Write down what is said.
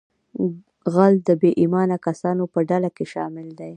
غل د بې ایمانه کسانو په ډله کې شامل دی